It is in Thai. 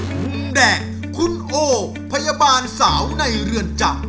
คุณแดงคุณโอพยาบาลสาวในเรือนจำ